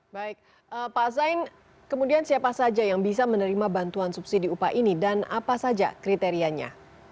baik pak zain kemudian siapa saja yang bisa menerima bantuan subsidi upah ini dan apa saja kriterianya